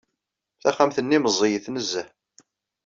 Taxxamt-nni meẓẓiyet nezzeh.